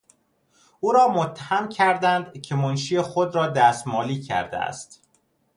او را متهم کردند که منشی خود را دست مالی کرده است.